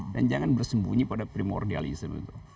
dan jangan bersembunyi pada primordialism itu